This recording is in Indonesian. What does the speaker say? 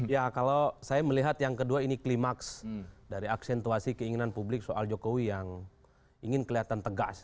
ya kalau saya melihat yang kedua ini klimaks dari aksentuasi keinginan publik soal jokowi yang ingin kelihatan tegas